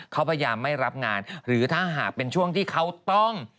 เขาพยายามไม่รับงานหรือถ้าหากเป็นช่วงที่เขาต้อง